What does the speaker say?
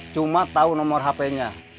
cuma tahu nomor hp nya